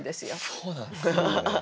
そうなんですよ。